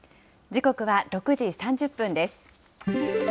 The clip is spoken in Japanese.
時刻は６時３０分です。